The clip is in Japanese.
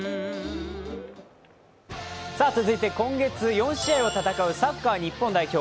続いて今月４試合を戦うサッカー日本代表。